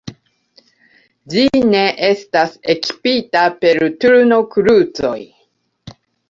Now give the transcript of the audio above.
Ĝi ne estas ekipita per turnkrucoj.